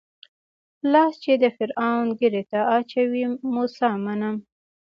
لاس چې د فرعون ږيرې ته اچوي موسی منم.